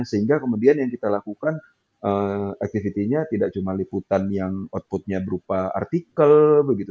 sehingga kemudian yang kita lakukan activity nya tidak cuma liputan yang outputnya berupa artikel begitu